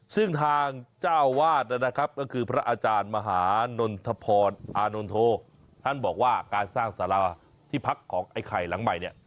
ซึ่งทางเจ้าวาดนะครับก็คือพระอาจารย์มหานนทพรอานนโทท่านบอกว่าการสร้างสาราที่พักของไอ้ไข่หลังใหม่เนี่ย